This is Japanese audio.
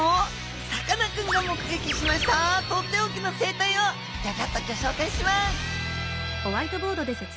さかなクンが目撃しましたとっておきの生態をギョギョッとギョ紹介します！